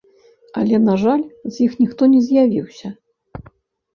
Але на жаль, з іх ніхто не з'явіўся.